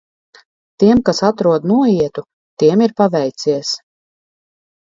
Tiem, kas atrod noietu, – tiem ir paveicies.